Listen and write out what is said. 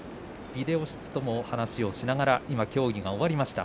ビデオ室とも話をしながら協議が終わりました。